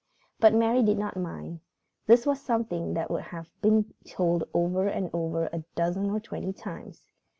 But Mary did not mind. This was something that would have to be told over and over a dozen or twenty times.